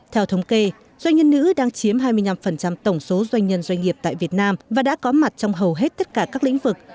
theo thống kê doanh nhân nữ đang chiếm hai mươi năm tổng số doanh nhân doanh nghiệp tại việt nam và đã có mặt trong hầu hết tất cả các lĩnh vực